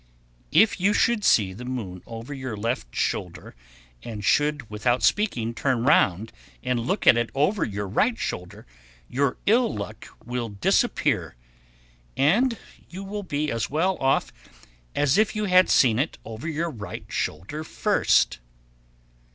_ 1095. If you should see the moon over your left shoulder, and should without speaking turn round and look at it over your right shoulder, your ill luck will disappear, and you will be as well off as if you had seen it over your right shoulder first.